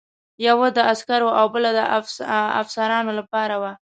یوه د عسکرو او بله د افسرانو لپاره وه.